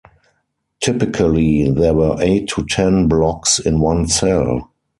Typically, there were eight to ten blocks in one cell.